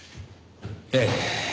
ええ。